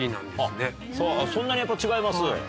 そんなにやっぱ違います？